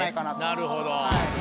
なるほど。